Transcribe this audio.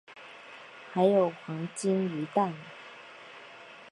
还有黄金鱼蛋